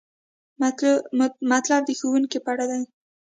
مطلب د ښوونکي په اړه دی.